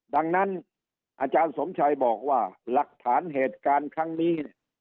ดังนั้นอาจารย์สมชัยบอกว่าหลักฐานเหตุการณ์ครั้งนี้เนี่ย